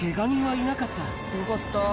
よかった。